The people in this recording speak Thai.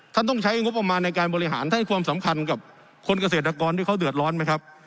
ต้องใช้งบประมาณในการบริหารท่านให้ความสำคัญกับคนเกษตรกรที่เขาเดือดร้อนไหมครับ